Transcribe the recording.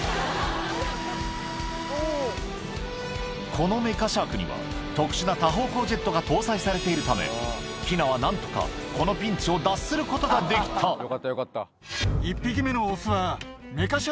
このメカシャークには特殊な多方向ジェットが搭載されているためキナは何とかこのピンチを脱することができたああ。